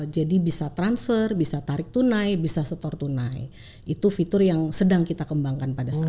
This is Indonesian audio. jadi bisa transfer bisa tarik tunai bisa setor tunai itu fitur yang sedang kita kembangkan pada saat ini